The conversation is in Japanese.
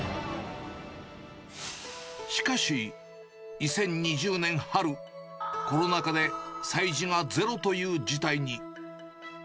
しかし、２０２０年春、コロナ禍で催事がゼロという事態に。